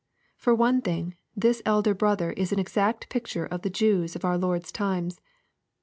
For one thing, this elder brother is an exact picture of the Jews of our Lord's times.